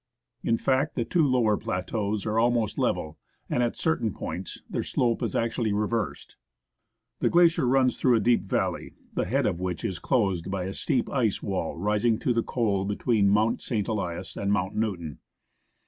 In fact, the two lower plateaux are almost level, and at certain points their slope is actually reversed. The orlacier runs through a deep valley, the head of which is closed by a steep ice wall rising to the col between Mount St. Elius and Mount Newton.